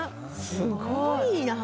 すごいな。